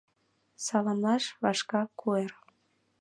Саламлаш вашка куэр